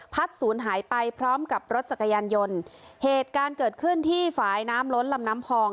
ศูนย์หายไปพร้อมกับรถจักรยานยนต์เหตุการณ์เกิดขึ้นที่ฝ่ายน้ำล้นลำน้ำพอง